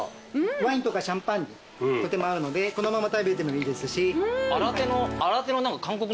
ワインとかシャンパンにとても合うのでこのまま食べてもいいですし。